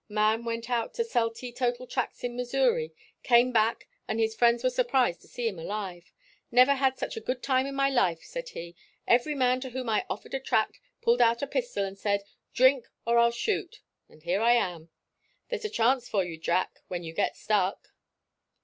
Man went out to sell teetotal tracts in Missouri. Came back and his friends were surprised to see him alive. 'Never had such a good time in my life,' said he. 'Every man to whom I offered a tract pulled out a pistol and said, "Drink or I'll shoot." And here I am.' There's a chance for you, Jack, when you get stuck."